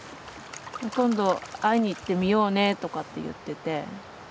今度会いに行ってみようねとかって言ってて。